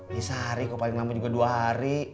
di sehari kok paling lama juga dua hari